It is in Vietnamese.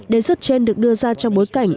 đề xuất trên được đưa ra trong bối cảnh